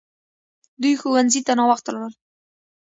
دوی ښوونځي ته ناوخته لاړل!